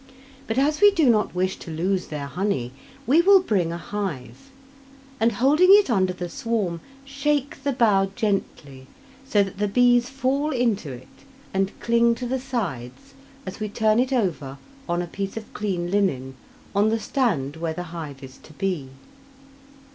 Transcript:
But as we do not wish to lose their honey we will bring a hive, and, holding it under the swarm, shake the bough gently so that the bees fall into it, and cling to the sides as we turn it over on a piece of clean linen, on the stand where the hive is to be.